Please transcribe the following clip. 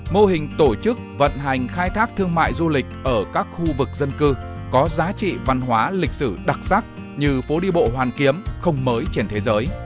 mô hình tổ chức vận hành khai thác thương mại du lịch ở các khu vực dân cư có giá trị văn hóa lịch sử đặc sắc như phố đi bộ hoàn kiếm không mới trên thế giới